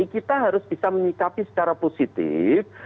kita harus bisa menikmati secara positif